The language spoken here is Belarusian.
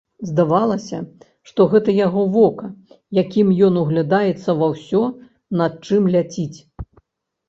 Здавалася, што гэта яго вока, якім ён углядаецца ва ўсё, над чым ляціць.